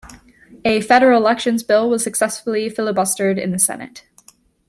A Federal Elections Bill was successfully filibustered in the Senate.